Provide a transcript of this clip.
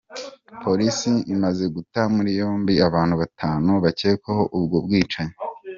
Polisi imaze guta muri yombi abantu batanu bakekwaho ubwo bwicanyi.